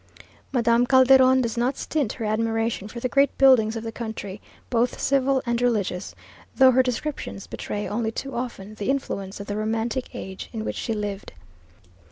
Madame Calderon does not stint her admiration for the great buildings of the country, both civil and religious, though her descriptions betray only too often the influence of the romantic age in which she lived.